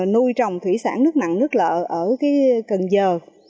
nuôi trồng thủy sản nước mặn nước lợ ở cần giờ